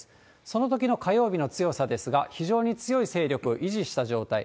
そのときの火曜日の強さですが、非常に強い勢力を維持した状態。